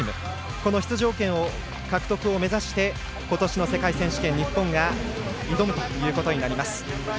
この出場権獲得を目指して今年の世界選手権日本が挑むことになります。